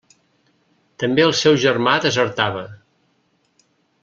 També el seu germà desertava.